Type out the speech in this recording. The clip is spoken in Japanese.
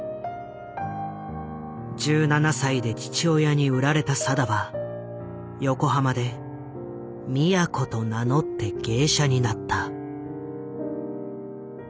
１７歳で父親に売られた定は横浜で「みやこ」と名乗って芸者になった。